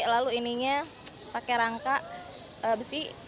lalu ininya pakai rangka besi